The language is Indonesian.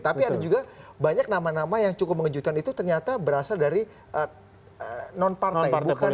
tapi ada juga banyak nama nama yang cukup mengejutkan itu ternyata berasal dari non partai